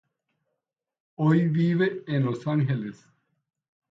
Hoy vive en Los Ángeles.